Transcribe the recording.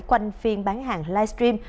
quanh phiên bán hàng live stream